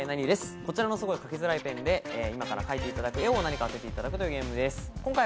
こちらの描きづらいペンで今から描いていただく絵を何か当てていただくというゲームです。